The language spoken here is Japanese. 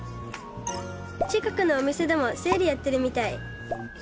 近くのお店でもセールやってるみたい！